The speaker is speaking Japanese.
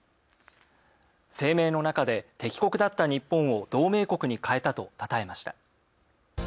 声明の中で敵国だった日本を同盟国に変えたと称えました。